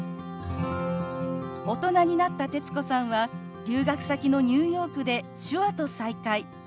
大人になった徹子さんは留学先のニューヨークで手話と再会。